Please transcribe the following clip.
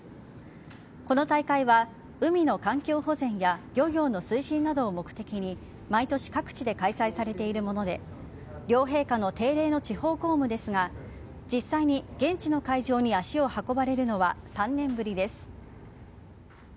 この大会は海の環境保全や漁業の推進などを目的に毎年各地で開催されているもので両陛下の定例の地方公務ですが実際に、現地の会場に足を運ばれるのは３年ぶりです。